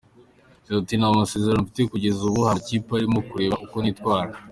Yagize ati “Nta masezerano mfite kugeza ubu ahari amakipe arimo kureba uko nitwara.